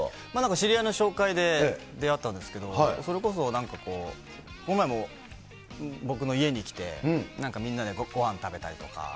知り合いの紹介で出会ったんですけど、それこそ、なんかこの前も僕の家に来て、なんかみんなでごはん食べたりとか。